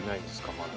まだ。